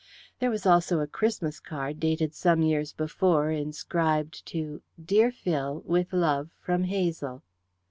There was also a Christmas card, dated some years before, inscribed, "To dear Phil, with love, from Hazel."